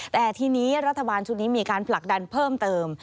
แต่ทีนี้รัฐบาลชุดนี้มีการผลักดันเพิ่มเติม